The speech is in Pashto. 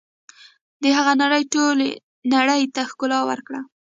د هغه نړۍ ټولې نړۍ ته ښکلا ورکړه.